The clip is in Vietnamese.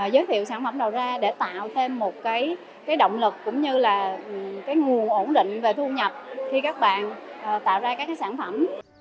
giới thiệu sản phẩm đầu ra để tạo thêm một cái động lực cũng như là cái nguồn ổn định về thu nhập khi các bạn tạo ra các cái sản phẩm